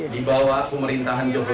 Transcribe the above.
di bawah pemerintahan joko widodo